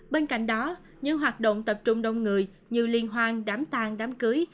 bên cạnh đó những hoạt động tập trung đông người như liên hoan đám tàn đám cưới